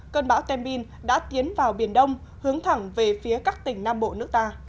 cơn bão tembin đã tiến vào biển đông hướng thẳng về phía các tỉnh nam bộ nước ta